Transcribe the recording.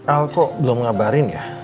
al kok belum ngabarin ya